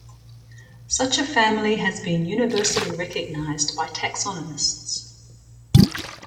Such a family has been universally recognized by taxonomists.